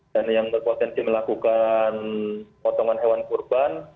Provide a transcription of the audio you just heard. dan yang berpotensi melakukan potongan hewan kurban